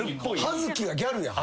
葉月はギャルやん。